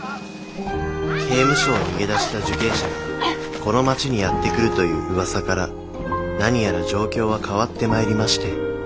刑務所を逃げ出した受刑者がこの町にやって来るという噂から何やら状況は変わってまいりまして。